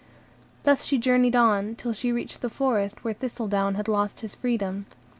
Thus she journeyed on, till she reached the forest where Thistledown had lost his freedom.